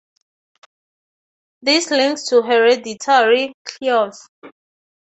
This links to hereditary "kleos".